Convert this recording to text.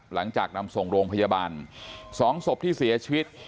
หลังจากนำส่งโรงพยาบาล๒ศพที่เสียชีวิต